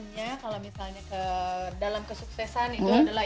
pokoknya kalau misalnya dalam kesuksesan itu adalah